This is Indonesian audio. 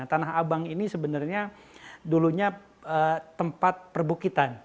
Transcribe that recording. tanah abang ini sebenarnya dulunya tempat perbukitan